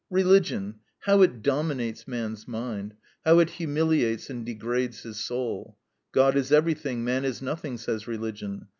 Religion! How it dominates man's mind, how it humiliates and degrades his soul. God is everything, man is nothing, says religion.